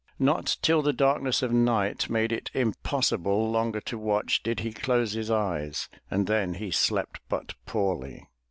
Not till the darkness of night made it impossible longer to watch, did he close his eyes, and then he slept but poorly.